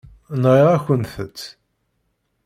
Nɣiɣ-akent-tt.